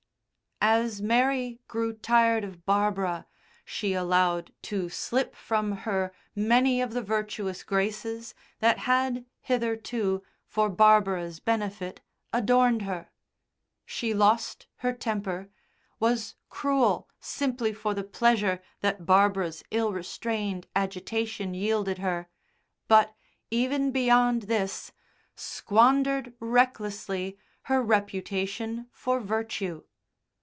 As Mary grew tired of Barbara she allowed to slip from her many of the virtuous graces that had hitherto, for Barbara's benefit, adorned her. She lost her temper, was cruel simply for the pleasure that Barbara's ill restrained agitation yielded her, but, even beyond this, squandered recklessly her reputation for virtue.